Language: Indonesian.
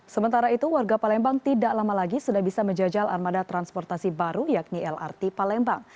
sementara itu warga palembang tidak lama lagi sudah bisa menjajal armada transportasi baru yakni lrt palembang